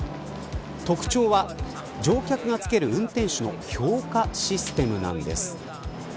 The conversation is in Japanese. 特徴は、乗客がつける運転手の評価システムなんです。